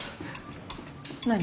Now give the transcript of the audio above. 何？